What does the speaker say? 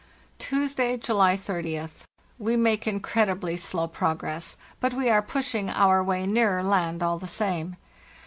"Tuesday, July 30th. We' make incredibly slow progress; but we are pushing our way nearer land all the same.